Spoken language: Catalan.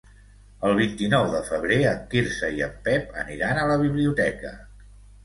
El vint-i-nou de febrer en Quirze i en Pep aniran a la biblioteca.